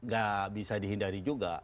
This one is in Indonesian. gak bisa dihindari juga